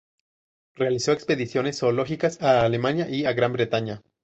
Realizó expediciones zoológicas a Alemania y a Gran Bretaña.